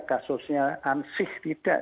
kasusnya ansih tidak